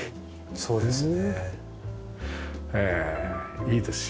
そうですね